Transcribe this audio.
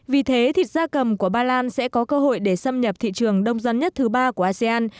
vì thế thịt da cầm của ba lan sẽ có cơ hội để xâm nhập thị trường đông dân nhất thứ ba của asean